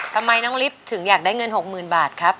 ทำไมน้องลิฟต์ถึงอยากได้เงิน๖๐๐๐บาทครับ